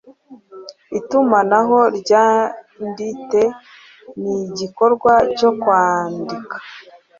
Itumanaho ryandite nigikorwa cyo kwandika,